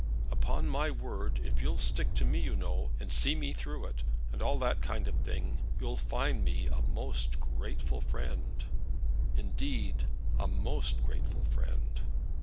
"Upon my word, if you'll stick to me, you know, and see me through it, and all that kind of thing, you'll find in me a most grateful friend; indeed, a most grateful friend."